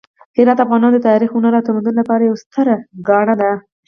هرات د افغانانو د تاریخ، هنر او تمدن لپاره یوه ستره ګاڼه ده.